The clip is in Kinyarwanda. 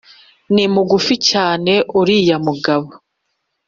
ni mugufi cyane uriya mugabo.